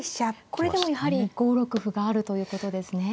これでもやはり５六歩があるということですね。